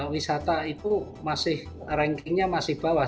wisata itu masih rankingnya masih bawah